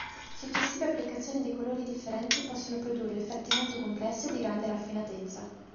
Successive applicazioni di colori differenti possono produrre effetti molto complessi e di grande raffinatezza.